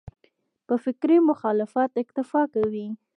په فکري مخالفت اکتفا کوي.